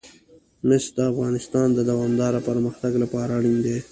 مس د افغانستان د دوامداره پرمختګ لپاره اړین دي.